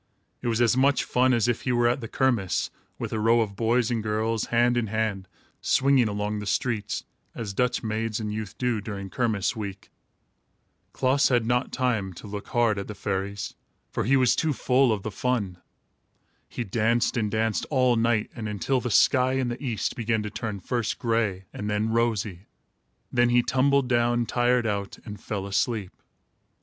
It was as much fun as if he were at the kermiss, with a row of boys and girls, hand in hand, swinging along the streets, as Dutch maids and youth do, during kermiss week. Klaas had not time to look hard at the fairies, for he was too full of the fun. He danced and danced, all night and until the sky in the east began to turn, first gray and then rosy. Then he tumbled down, tired out, and fell asleep.